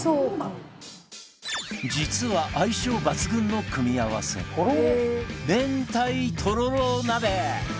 実は相性抜群の組み合わせ明太とろろ鍋！